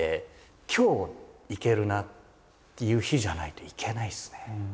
今日いけるなっていう日じゃないといけないですね。